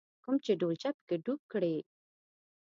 کوم چې ډولچه په کې ډوب کړې.